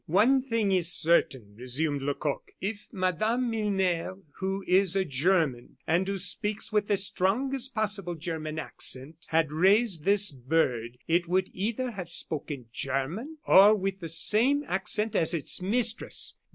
"One thing is certain," resumed Lecoq; "if Madame Milner who is a German and who speaks with the strongest possible German accent had raised this bird, it would either have spoken German or with the same accent as its mistress.